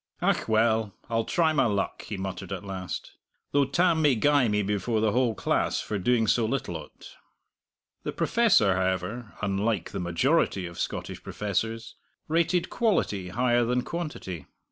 "Ach, well, I'll try my luck," he muttered at last, "though Tam may guy me before the whole class for doing so little o't." The Professor, however (unlike the majority of Scottish professors), rated quality higher than quantity.